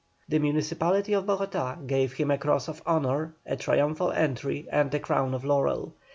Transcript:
The municipality of Bogotá gave him a cross of honour, a triumphal entry, and a crown of laurel.